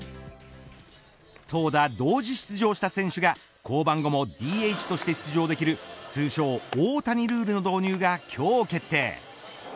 投打同時出場した選手が降板後もＤＨとして出場できる通称、大谷ルールの導入が今日決定。